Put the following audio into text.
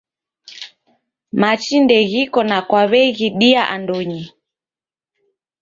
Machi ndeghiko na kwaw'eghidia andonyi